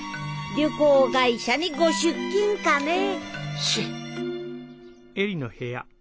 旅行会社にご出勤かねシェ！